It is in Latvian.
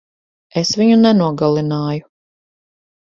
Es viņu nenogalināju.